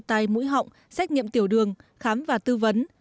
tay mũi họng xét nghiệm tiểu đường khám và tư vấn